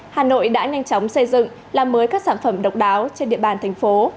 hà nội đã nhanh chóng xây dựng làm mới các sản phẩm độc đáo trên địa bàn thành phố